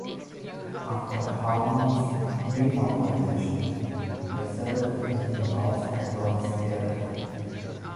After Harmon's demobilization, they settled in the Los Angeles area.